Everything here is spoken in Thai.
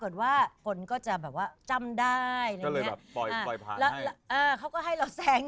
น่าจะไว้กัดข้าวทะกุดธรรม